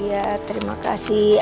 iya terima kasih